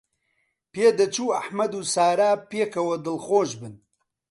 پێدەچوو ئەحمەد و سارا پێکەوە دڵخۆش بن.